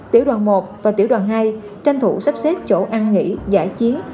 tiểu đoàn một và tiểu đoàn hai tranh thủ sắp xếp chỗ ăn nghỉ giải chiến